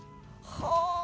はあ！